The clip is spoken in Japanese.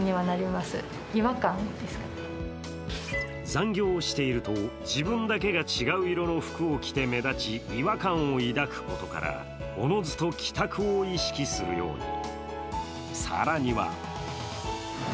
残業をしていると、自分だけが違う色の服を着て目立ち、違和感を抱くことから、おのずと帰宅を意識するように。